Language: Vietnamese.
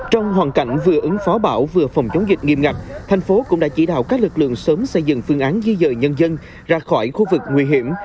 trong hoàn cảnh vừa ứng phó bão vừa phòng chống dịch nghiêm ngặt thành phố cũng đã chỉ đạo các lực lượng sớm xây dựng phương án di dời nhân dân ra khỏi khu vực nguy hiểm